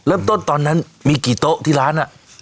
เริ่มต้นตอนนั้นมีกี่โต๊ะที่ร้านอะ